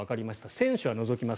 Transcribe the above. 選手は除きます。